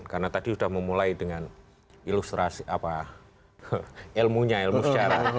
karena tadi sudah memulai dengan ilustrasi apa ilmunya ilmu sejarah